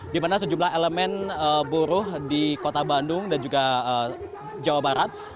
di mana sejumlah elemen buruh di kota bandung dan juga jawa barat